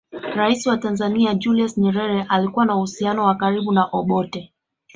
Rais wa Tanzania Julius Nyerere alikuwa na uhusiano wa karibu na Obote